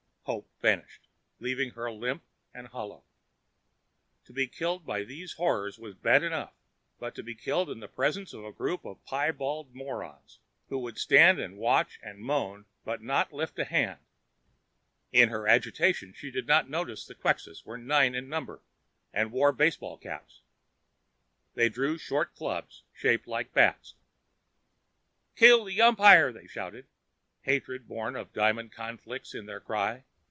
Hope vanished, leaving her limp and hollow. To be killed by these horrors was bad enough, but to be killed in the presence of a group of piebald morons, who would stand and watch and moan, but not lift a hand ... In her agitation, she did not notice that the Quxas were nine in number and wore baseball caps. They drew short clubs, shaped like bats. "Kill the umpire!" they shouted, hatred born of diamond conflicts in their cry.